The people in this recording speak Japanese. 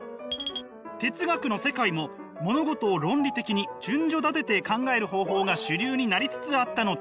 哲学の世界も物事を論理的に順序立てて考える方法が主流になりつつあったのです。